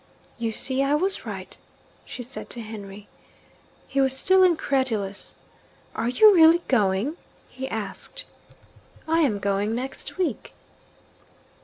'You see I was right,' she said to Henry. He was still incredulous. 'Are you really going?' he asked. 'I am going next week.'